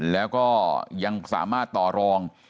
แล้วก็ยังสามารถต่อรอง